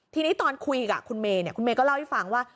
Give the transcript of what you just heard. ทีนี้ตอนคุยกับคุณเมย์คุณเมย์ก็เล่าให้ฟังว่า